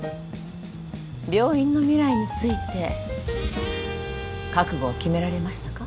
病院の未来について覚悟を決められましたか？